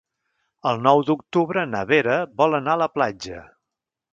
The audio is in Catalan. El nou d'octubre na Vera vol anar a la platja.